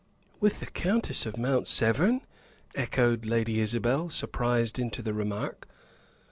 "With the Countess of Mount Severn!" echoed Lady Isabel, surprised into the remark.